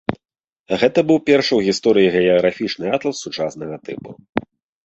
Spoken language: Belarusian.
Гэта быў першы ў гісторыі геаграфічны атлас сучаснага тыпу.